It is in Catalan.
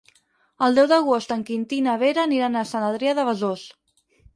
El deu d'agost en Quintí i na Vera aniran a Sant Adrià de Besòs.